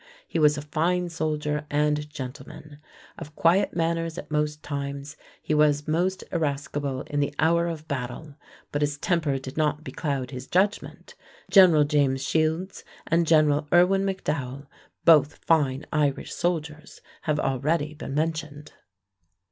He was a fine soldier and gentleman. Of quiet manners at most times, he was most irascible in the hour of battle, but his temper did not becloud his judgment. General James Shields and General Irwin McDowell, both fine Irish soldiers, have already been mentioned.